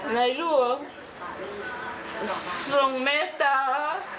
ในร่วมทรงเมตตา